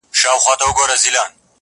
o ستا د مخ له اب سره ياري کوي.